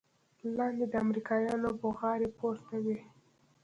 له لاندې د امريکايانو بوغارې پورته وې.